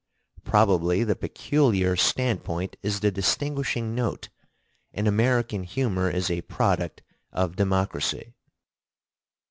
Probably the peculiar standpoint is the distinguishing note, and American humor is a product of democracy.